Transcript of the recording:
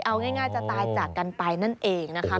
เอาง่ายจะตายจากกันไปนั่นเองนะคะ